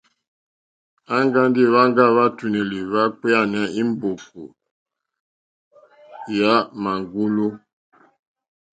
Aŋga ndi hwaŋga hwàtùnèlì hwa kpeyani è mbòkò yà màŋgulu.